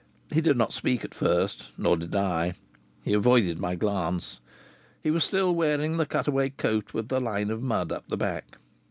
He did not speak at first; nor did I. He avoided my glance. He was still wearing the cut away coat with the line of mud up the back.